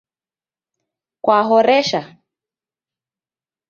Kwahoresha?